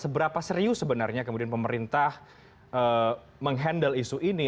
sebenarnya kemudian pemerintah menghandle isu ini